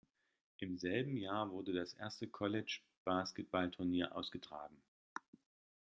Im selben Jahr wurde das erste College-Basketballturnier ausgetragen.